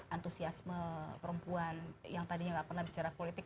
antusiasme perempuan yang tadinya nggak pernah bicara politik